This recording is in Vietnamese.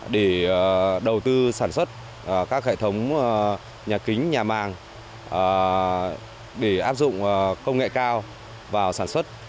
để đầu tư sản xuất các hệ thống nhà kính nhà màng để áp dụng công nghệ cao vào sản xuất